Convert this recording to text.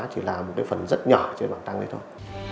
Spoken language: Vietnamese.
chỉ là một cái phần rất nhỏ trên bảng tăng này thôi